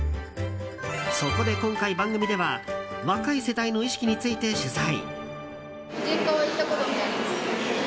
そこで今回、番組では若い世代の意識について取材。